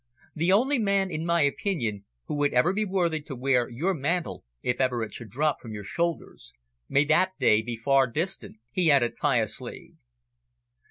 "The only man, in my opinion, who would ever be worthy to wear your mantle, if ever it should drop from your shoulders. May that day be far distant!" he added piously.